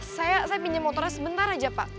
saya pinjam motornya sebentar aja pak